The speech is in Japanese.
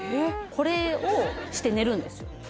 これをして寝るんですよ